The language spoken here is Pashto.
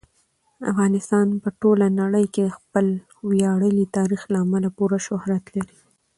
افغانستان په ټوله نړۍ کې د خپل ویاړلي تاریخ له امله پوره شهرت لري.